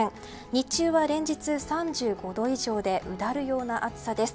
日中は連日３５度以上でうだるような暑さです。